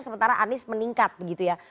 sementara anies meningkat begitu ya